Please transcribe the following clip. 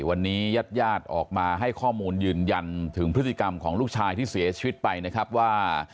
วันนี้ญาติญาติออกมาให้ข้อมูลยืนยันถึงพฤติกรรมของลูกชายที่เสียชีวิตไปนะครับว่า